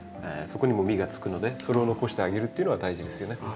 そこにも実がつくのでそれを残してあげるっていうのは大事ですよね。